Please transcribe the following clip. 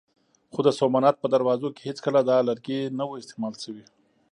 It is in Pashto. خو د سومنات په دروازو کې هېڅکله دا لرګی نه و استعمال شوی.